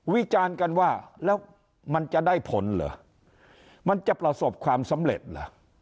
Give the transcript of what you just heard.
วิจารณ์กันว่าแล้วมันจะได้ผลเหรอมันจะประสบความสำเร็จเหรอ